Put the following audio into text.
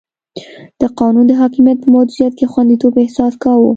د قانون د حاکمیت په موجودیت کې خونديتوب احساس کاوه.